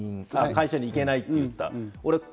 会社に行けないと言った。